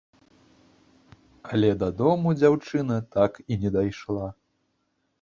Але дадому дзяўчына так і не дайшла.